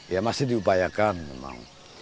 ya masih diupayakan memang